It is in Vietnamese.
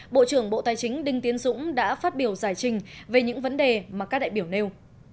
bộ trưởng bộ tài chính đinh tiến dũng đã phát biểu giải trình về những vấn đề mà các đại biểu nêu